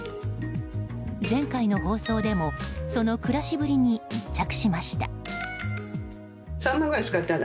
前回の放送でもその暮らしぶりに密着しました。